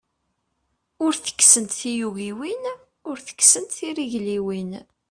Ur tekksent tyugiwin, ur tekksent trigliwin.